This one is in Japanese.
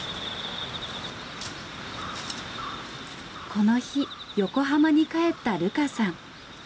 この日横浜に帰った琉花さん。